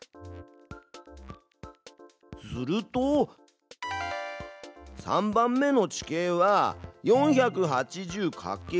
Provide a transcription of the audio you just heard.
すると３番目の地形は４８０かける２。